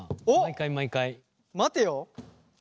待てよ。